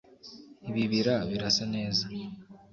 ibi bira birasa neza